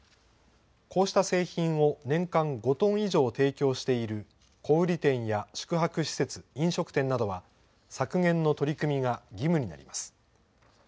こうした製品を年間５トン以上提供している小売り店や宿泊施設、飲食店などは、削減の取り組みが義務になります。